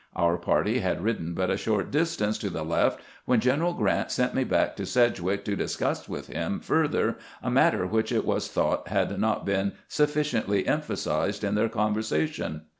Our party had ridden but a short distance to the left when General Grant sent me back to Sedgwick to discuss with him further a matter which it was thought had not been sufficiently emphasized in their conversation.